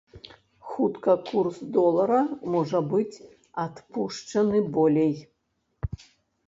Хутка курс долара можа быць адпушчаны болей.